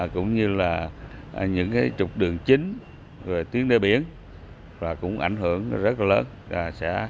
cũng như là những trục đường chính tuyến đưa biển cũng ảnh hưởng rất là lớn